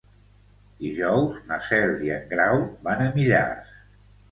Dijous na Cel i en Grau van a Millars.